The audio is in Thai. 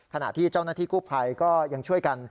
ขณะที่เจ้าหน้าที่กู้ภัยก็ยังช่วยกัน